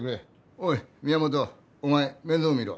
おい宮本お前面倒見ろ。